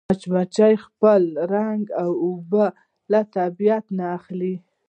مچمچۍ خپل رنګ او بوی له طبیعته اخلي